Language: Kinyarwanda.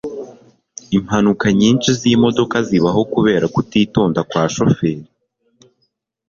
impanuka nyinshi zimodoka zibaho kubera kutitonda kwa shoferi